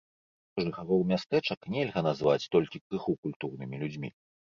Жыхароў мястэчак нельга назваць толькі крыху культурнымі людзьмі.